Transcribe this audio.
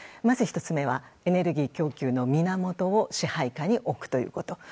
まず１つ目はエネルギー供給の源を支配下に置くということ。